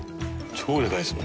超でかいですね。